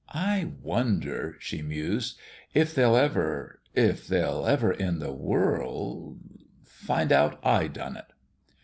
"I wonder," she mused, "if they'll ever if they'll ever in the world find out I done it